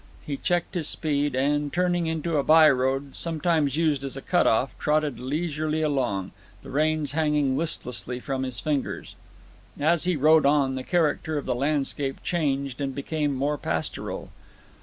He checked his speed, and, turning into a by road, sometimes used as a cutoff, trotted leisurely along, the reins hanging listlessly from his fingers. As he rode on, the character of the landscape changed and became more pastoral.